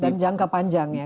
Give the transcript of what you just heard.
dan jangka panjang